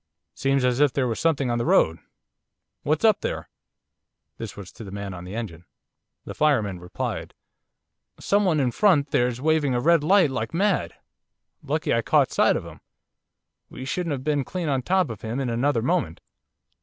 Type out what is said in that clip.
Seems as if there was something on the road. What's up there?' This was to the man on the engine. The fireman replied: 'Someone in front there's waving a red light like mad, lucky I caught sight of him, we should have been clean on top of him in another moment.